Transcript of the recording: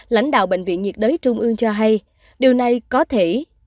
lãnh đạo bệnh viện nhiệt đới trung ương cho hay điều này có thể